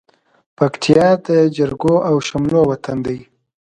پکتيا د جرګو او شملو وطن دى.